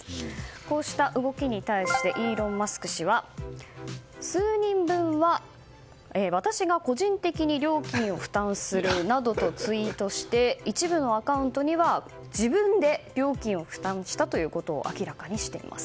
こうした動きに対してイーロン・マスク氏は数人分は私が個人的に料金を負担するなどとツイートして一部のアカウントには自分で料金を負担したことを明らかにしています。